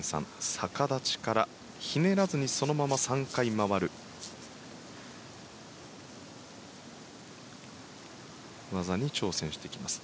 逆立ちからひねらずにそのまま３回、回る技に技に挑戦してきます。